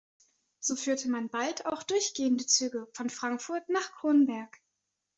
So führte man bald auch durchgehende Züge von Frankfurt nach Kronberg.